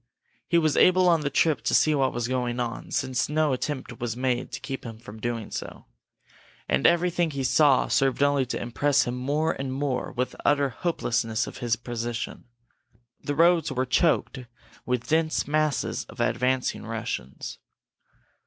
He was able on the trip to see what was going on, since no attempt was made to keep him from doing so. And everything he saw served only to impress him more and more with the utter hopelessness of his position. The roads were choked with dense masses of advancing Russians.